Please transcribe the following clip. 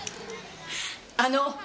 あの！